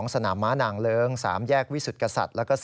สนามม้านางเลิ้ง๓แยกวิสุทธิ์กษัตริย์